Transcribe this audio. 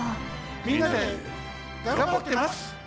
みんなでがんばってます！